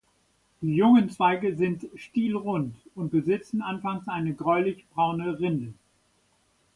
Die jungen Zweige sind stielrund und besitzen anfangs eine gräulich-braune Rinde.